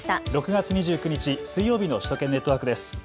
６月２９日、水曜日の首都圏ネットワークです。